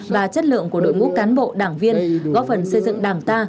và chất lượng của đội ngũ cán bộ đảng viên góp phần xây dựng đảng ta